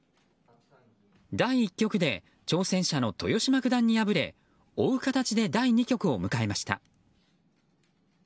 第１局で挑戦者の豊島九段に敗れ追う形で、第２局を迎えました。